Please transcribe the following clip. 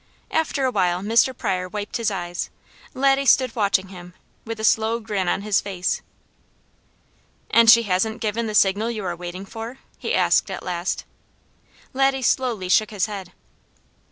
After a while Mr. Pryor wiped his eyes. Laddie stood watching him with a slow grin on his face. "And she hasn't given the signal you are waiting for?" he asked at last. Laddie slowly shook his head.